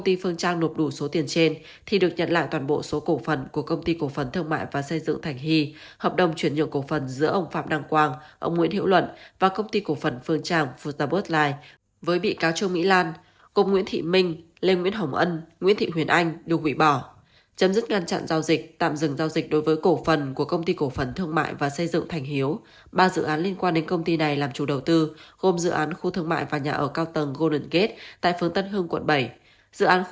điển hình phía công ty phương trang gồm ông phạm đăng quang ông nguyễn hữu luận và công ty cổ phần phương trang phu ta bớt lai hoàn trả lại một hai trăm linh tỷ đồng vào tài khoản của cục thi hành án dân sự tp hcm để đảm bảo thực hiện nghiệp vụ bồi hoàn cho bị cáo lan trong toàn bộ vụ án